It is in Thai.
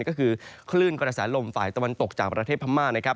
ก็คือคลื่นกระแสลมฝ่ายตะวันตกจากประเทศพม่านะครับ